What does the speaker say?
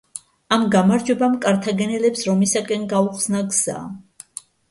ამ გამარჯვებამ კართაგენელებს რომისაკენ გაუხსნა გზა.